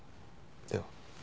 では。